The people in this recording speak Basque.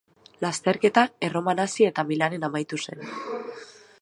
Lasterketa Erroman hasi eta Milanen amaitu zen.